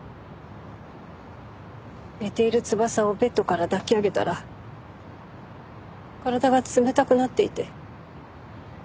寝ている翼をベッドから抱き上げたら体が冷たくなっていて。